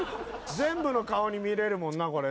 全部の顔に見れるもんなこれ。